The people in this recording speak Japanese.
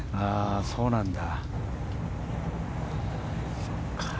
そうなんだ。